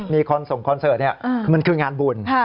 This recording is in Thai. มีส่งคอนเสิร์ตเนี่ยมันคืองานบุญ